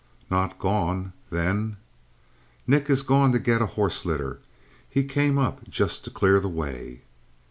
"Not gone? Then " "Nick has gone to get a horse litter. He came up just to clear the way."